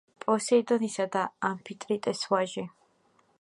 პოსეიდონისა და ამფიტრიტეს ვაჟი.